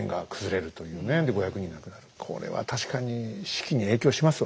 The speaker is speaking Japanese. これは確かに士気に影響しますわね。